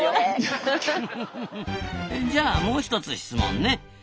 じゃあもう一つ質問ね！